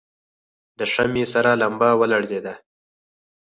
د شمعې سره لمبه ولړزېده.